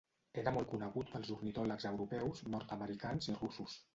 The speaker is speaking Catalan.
Era molt conegut pels ornitòlegs europeus, nord-americans i russos.